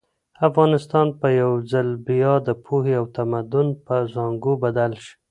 افغانستان به یو ځل بیا د پوهې او تمدن په زانګو بدل شي.